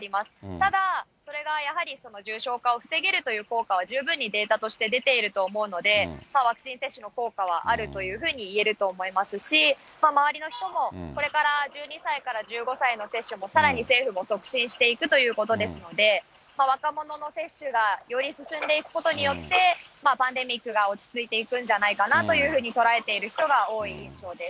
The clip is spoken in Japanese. ただ、それがやはり重症化を防げるという効果は十分にデータとして出ていると思うので、ワクチン接種の効果はあるというふうにいえると思いますし、周りの人も、これから１２歳から１５歳の接種もさらに、政府も促進していくということですので、だから若者の接種がより進んでいくことによって、パンデミックが落ち着いていくんじゃないかなというふうに捉えている人が多い印象です。